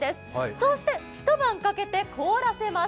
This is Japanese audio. そうして、一晩かけて凍らせます。